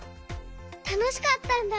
たのしかったんだ。